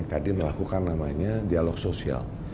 tadi melakukan namanya dialog sosial